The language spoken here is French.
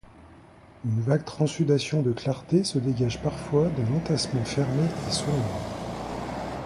Une vague transsudation de clarté se dégage parfois d’un entassement fermé et sombre.